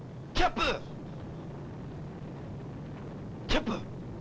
キャップ。